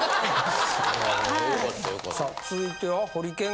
さあ続いては。